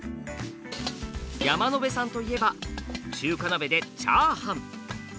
山野辺さんといえば中華鍋でチャーハン。